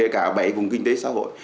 và bảy vùng kinh tế xã hội